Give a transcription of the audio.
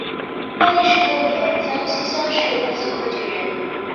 万历十六年江西乡试戊子科举人。